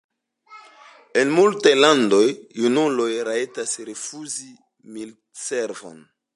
En multaj landoj junuloj rajtas rifuzi la militservon.